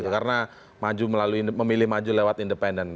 karena memilih maju lewat independen